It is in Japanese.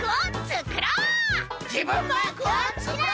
じぶんマークをつくろう！